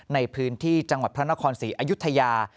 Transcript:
ในพื้นที่จังหวัดพระนครศรีอยุธยา